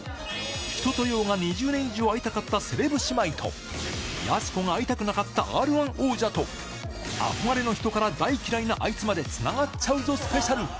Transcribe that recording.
一青窈が２０年以上会いたかったセレブ姉妹と、やす子が会いたくなかったＲー１王者と、憧れの人から大嫌いなあいつまでつながっちゃうぞスペシャル。